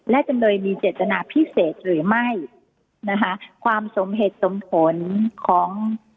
และจำเลยมีเจตนาพิเศษหรือไม่นะคะความสมเหตุสมผลของ